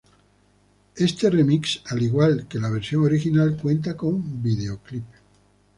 Este remix, al igual que la versión original, cuenta con videoclip.